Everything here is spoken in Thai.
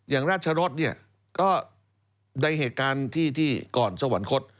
อย่างราชรสเนี่ยก็ในเหตุการณ์ที่ก่อนสวรรคต